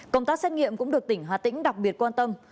công tác xét nghiệm cũng được tỉnh hà tĩnh đặc biệt quan tâm